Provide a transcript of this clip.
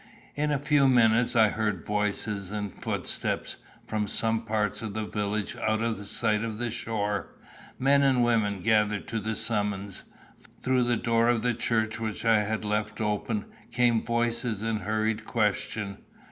In a few minutes I heard voices and footsteps. From some parts of the village, out of sight of the shore, men and women gathered to the summons. Through the door of the church, which I had left open, came voices in hurried question.